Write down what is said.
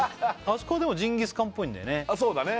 そこでもジンギスカンっぽいんだよね